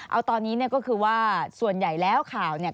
เอาตอนนี้เนี่ยก็คือว่าส่วนใหญ่แล้วข่าวเนี่ย